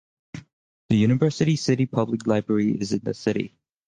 The Universal City Public Library is in the city.